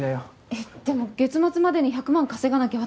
えっでも月末までに１００万稼がなきゃ私。